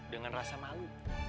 dengan rasa malu